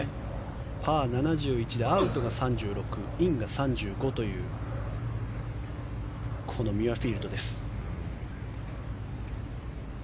パー７１でアウトが３６インが３５というミュアフィールドです。